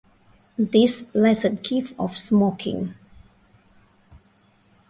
This blessed gift of smoking!